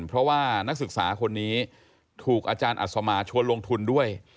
เพราะว่านักศึกษาคนนี้ถูกอาจารย์อัศมาชวนลงทุนด้วย